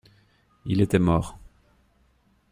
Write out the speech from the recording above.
Il était mort.